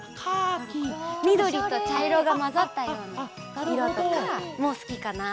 みどりとちゃいろがまざったようないろとかもすきかな。